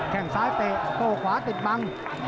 แค่งซ้ายเตะโต้ขวาติดบัง